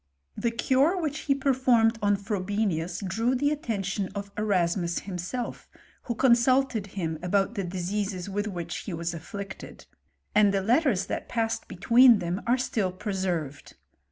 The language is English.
The cure which he performed on Frobenius, drew the attention of Erasmus himself^ who consulted him about the diseases with which hc^ was afflicted ; and the letters that passed betweem them are still preserved.